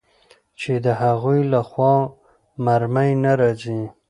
چې د هغوى له خوا مرمۍ نه راځي.